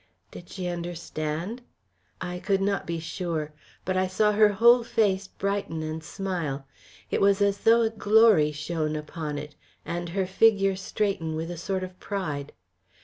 Did she understand? I could not be sure. But I saw her whole face brighten and smile it was as though a glory shone upon it and her figure straighten with a sort of pride.